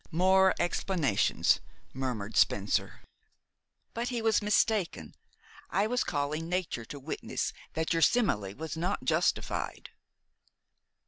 "More explanations," murmured Spencer. "But he was mistaken. I was calling Nature to witness that your simile was not justified."